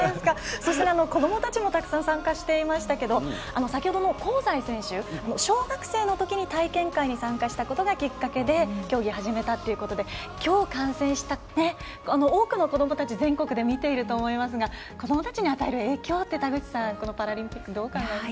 そして、子どもたちもたくさん参加していましたけど先ほどの香西選手も小学生のときに体験会に参加したことがきっかけで競技を始めたということできょう観戦した多くの子どもたち全国で見ている思いますが子どもたちに与える影響ってこのパラリンピックどうでしょう。